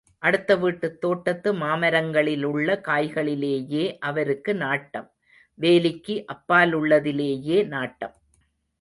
அடுத்த வீட்டுத் தோட்டத்து மாமரங்களிலுள்ள காய்களிலேயே அவருக்கு நாட்டம், வேலிக்கு அப்பாலுள்ளதிலேயே நாட்டம்.